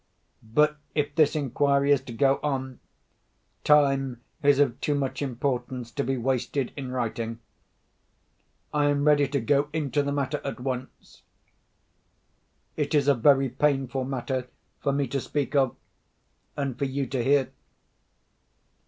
But, if this inquiry is to go on, time is of too much importance to be wasted in writing. I am ready to go into the matter at once. It is a very painful matter for me to speak of, and for you to hear."